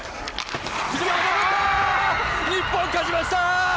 日本勝ちました！